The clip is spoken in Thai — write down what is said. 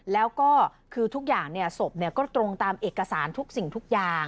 แล้วก็คือทุกอย่างศพก็ตรงตามเอกสารทุกสิ่งทุกอย่าง